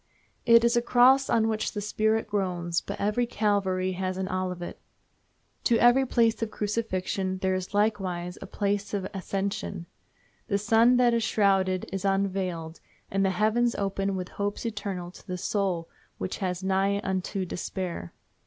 It is a cross on which the spirit groans, but every Calvary has an Olivet. To every place of crucifixion there is likewise a place of ascension. The sun that is shrouded is unveiled, and the heavens open with hopes eternal to the soul which was nigh unto despair.